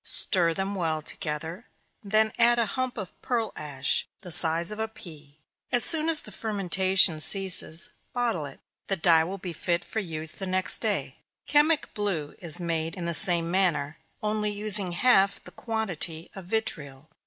Stir them well together, then add a lump of pearl ash, of the size of a pea as soon as the fermentation ceases, bottle it the dye will be fit for use the next day. Chemic blue is made in the same manner, only using half the quantity of vitriol.